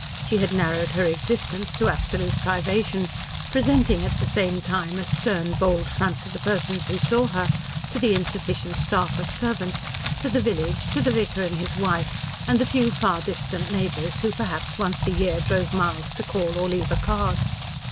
She had narrowed her existence to absolute privation, presenting at the same time a stern, bold front to the persons who saw her, to the insufficient staff of servants, to the village to the vicar and his wife, and the few far distant neighbours who perhaps once a year drove miles to call or leave a card.